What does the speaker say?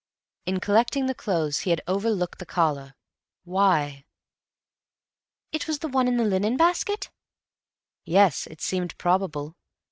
In collecting the clothes he had overlooked the collar. Why?" "It was the one in the linen basket?" "Yes. It seemed probable.